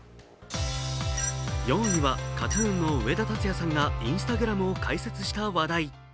４位はＫＡＴ−ＴＵＮの上田竜也さんがＩｎｓｔａｇｒａｍを開設した話題。